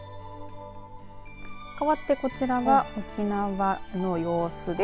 かわってこちらは沖縄の様子です。